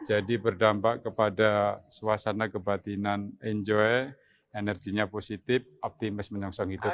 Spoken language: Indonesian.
berdampak kepada suasana kebatinan enjoy energinya positif optimis menyongsong hidup